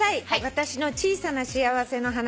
私の小さな幸せの話」